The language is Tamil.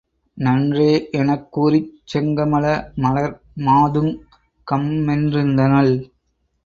நன்றே எனக் கூறிச் செங்கமல மலர் மாதுங் கம்மென்றிருந்தனள்.